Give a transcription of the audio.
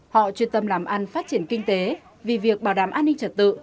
họ chuyên tâm làm ăn phát triển kinh tế vì việc bảo đảm an ninh trật tự